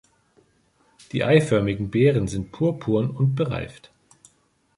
Die eiförmigen Beeren sind purpurn und bereift.